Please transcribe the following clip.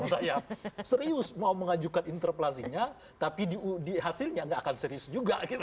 menurut saya serius mau mengajukan interpelasinya tapi di hasilnya nggak akan serius juga